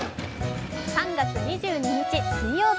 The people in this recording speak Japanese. ３月２２日水曜日。